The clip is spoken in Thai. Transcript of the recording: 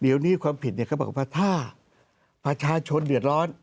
เดี๋ยวนี้ความผิดเนี่ยเขาบอกว่าถ้าประชาชนเดือดร้อน